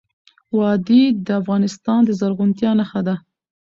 وادي د افغانستان د زرغونتیا نښه ده.